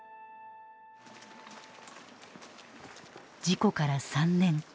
事故から３年。